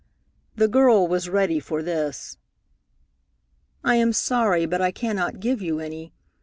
The girl was ready for this. "I am sorry, but I cannot give you any.